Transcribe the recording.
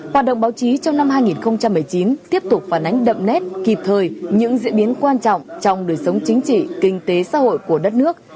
hoạt động báo chí trong năm hai nghìn một mươi chín tiếp tục phản ánh đậm nét kịp thời những diễn biến quan trọng trong đời sống chính trị kinh tế xã hội của đất nước